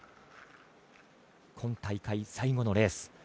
今大会最後のレース。